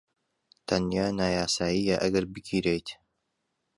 تەنیا نایاساییە ئەگەر بگیرێیت.